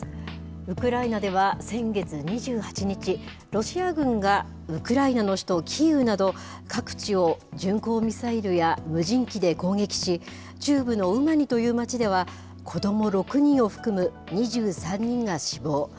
ウクライナでは先月２８日、ロシア軍がウクライナの首都キーウなど、各地を巡航ミサイルや無人機で攻撃し、中部のウマニという町では、子ども６人を含む２３人が死亡。